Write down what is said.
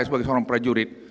sebagai seorang prajurit